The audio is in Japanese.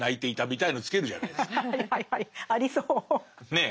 ねえ。